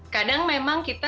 kadang memang kita